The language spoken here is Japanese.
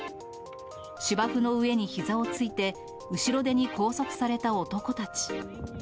芝生の上にひざをついて後ろ手に拘束された男たち。